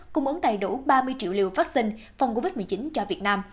cung ứng đầy đủ ba mươi triệu liều vaccine phòng covid một mươi chín cho việt nam